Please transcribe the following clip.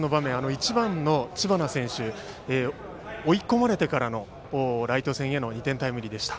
１番の知花選手の追い込まれてからのライト線への２点タイムリーでした。